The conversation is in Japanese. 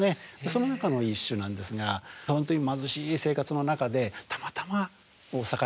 その中の一首なんですが本当に貧しい生活の中でたまたま魚が手に入った。